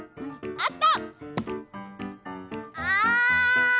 あった！